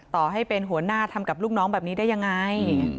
ต่อให้เป็นหัวหน้าทำกับลูกน้องแบบนี้ได้ยังไง